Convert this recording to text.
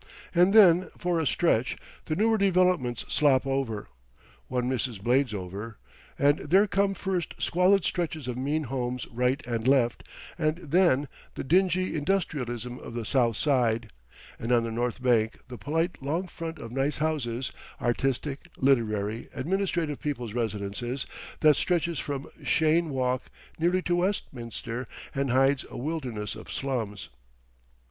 And then for a stretch the newer developments slop over, one misses Bladesover and there come first squalid stretches of mean homes right and left and then the dingy industrialism of the south side, and on the north bank the polite long front of nice houses, artistic, literary, administrative people's residences, that stretches from Cheyne Walk nearly to Westminster and hides a wilderness of slums.